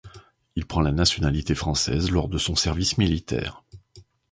Il prend la nationalité française lors de son service militaire.